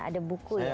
ada buku ya